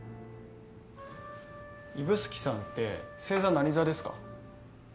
指宿さんって星座何座ですか？